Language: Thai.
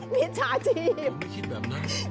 มิตรชาชีพ